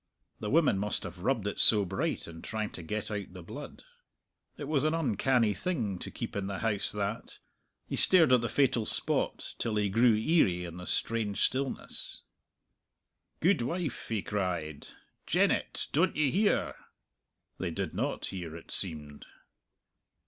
The women must have rubbed it so bright in trying to get out the blood. It was an uncanny thing to keep in the house that. He stared at the fatal spot till he grew eerie in the strange stillness. "Guidwife!" he cried, "Jennet! Don't ye hear?" They did not hear, it seemed.